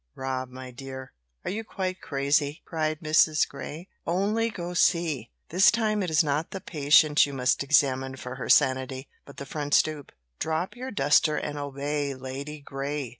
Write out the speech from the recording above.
'" "Rob, my dear, are you quite crazy?" cried Mrs. Grey. "Only go see! This time it is not the patient you must examine for her sanity, but the front stoop. Drop your duster and obey, Lady Grey!"